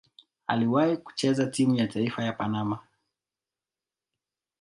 Aliwahi kucheza timu ya taifa ya Panama.